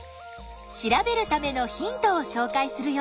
調べるためのヒントをしょうかいするよ。